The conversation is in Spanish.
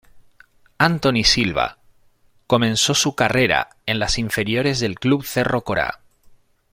Antony Silva comenzó su carrera en las inferiores del Club Cerro Corá.